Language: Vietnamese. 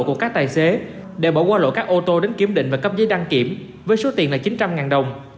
của các tài xế để bỏ qua lỗi các ô tô đến kiểm định và cấp giấy đăng kiểm với số tiền là chín trăm linh đồng